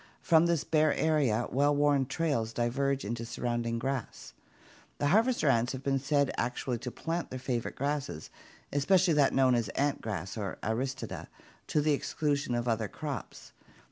From this bare area well worn trails diverge into the surrounding grass. The harvester ants have been said actually to plant their favorite grasses, especially that known as ant rice or Aristida, to the exclusion of other crops.